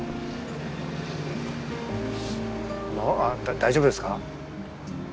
大丈夫ですか？